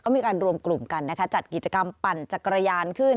มีการรวมกลุ่มกันนะคะจัดกิจกรรมปั่นจักรยานขึ้น